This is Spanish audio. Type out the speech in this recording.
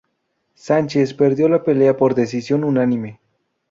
Sánchez perdió la pelea por decisión unánime.